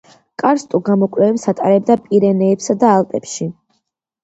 კარსტულ გამოკვლევებს ატარებდა პირენეებსა და ალპებში.